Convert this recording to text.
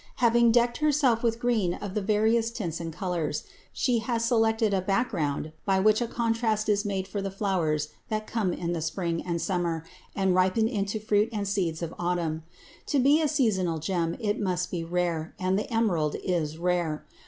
Having decked herself with green of the various tints and colors, she has selected a background by which a contrast is made for the flowers that come in the spring and summer and ripen into fruit and seeds of autumn. To be a seasonable gem it must be rare, and the emerald is rare.